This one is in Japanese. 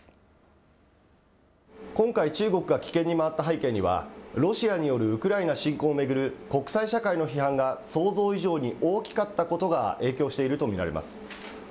今回、中国が棄権に回った背景には、ロシアによるウクライナ侵攻を巡る国際社会の批判が、想像以上に大きかったことが影響していると見られます。